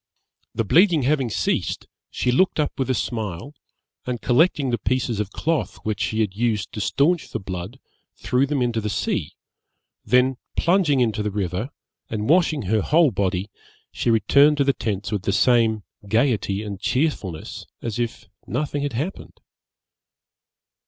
The bleeding having ceased, she looked up with a smile, and collecting the pieces of cloth which she had used to stanch the blood, threw them into the sea; then plunging into the river, and washing her whole body, she returned to the tents with the same gaiety and cheerfulness as if nothing had happened.